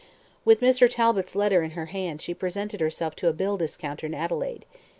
With Mr. Talbot's letter in her hand she presented herself to a bill discounter in Adelaide.